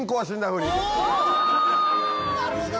なるほど！